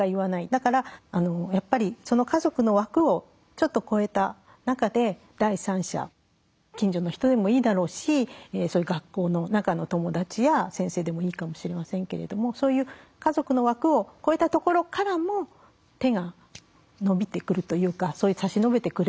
だからやっぱりその家族の枠をちょっとこえた中で第三者近所の人でもいいだろうし学校の中の友達や先生でもいいかもしれませんけれどもそういう家族の枠をこえたところからも手が伸びてくるというか差し伸べてくれる。